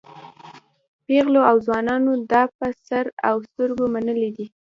پېغلو او ځوانانو دا په سر او سترګو منلی دی.